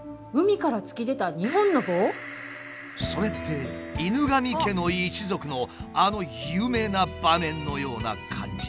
それって「犬神家の一族」のあの有名な場面のような感じ？